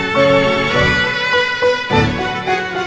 mama bangun mas